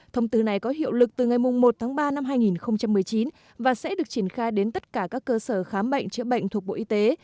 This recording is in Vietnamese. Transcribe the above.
thông tư này có hiệu lực từ ngày một tháng ba năm hai nghìn một mươi chín và sẽ được triển khai đến tất cả các cơ sở khám bệnh chữa bệnh thuộc bộ y tế